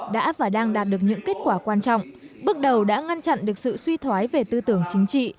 đã và đang đạt được những kết quả quan trọng bước đầu đã ngăn chặn được sự suy thoái về tư tưởng chính trị